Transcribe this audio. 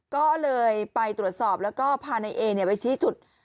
ก็เลยไปตรวจสอบแล้วก็พานายเอไปชี้จุด